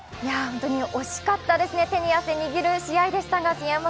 本当に惜しかったですね、手に汗握る試合でしたが。